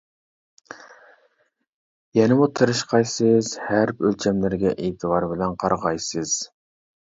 يەنىمۇ تېرىشقايسىز، ھەرپ ئۆلچەملىرىگە ئېتىبار بىلەن قارىغايسىز.